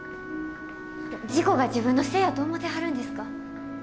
事故が自分のせいやと思てはるんですか？